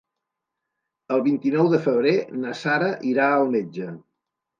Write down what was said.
El vint-i-nou de febrer na Sara irà al metge.